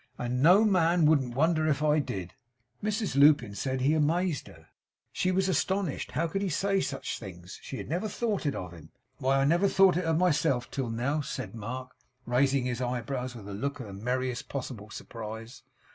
'And no man wouldn't wonder if I did!' Mrs Lupin said he amazed her. She was astonished how he could say such things. She had never thought it of him. 'Why, I never thought if of myself till now!' said Mark, raising his eyebrows with a look of the merriest possible surprise.